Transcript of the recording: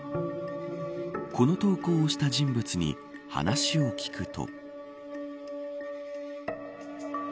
この投稿をした人物に話を聞くと。